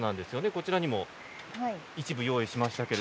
こちらにも一部用意しました。